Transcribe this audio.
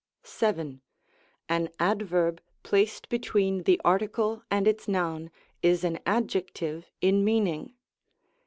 167 Y. An adverb, placed between the article and its noun, is an adjective in meaning.